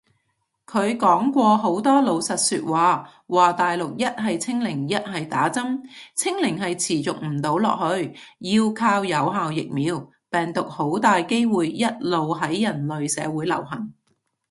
佢講過好多老實說話，話大陸一係清零一係打針，清零係持續唔到落去，要靠有效疫苗，病毒好大機會一路喺人類社會流行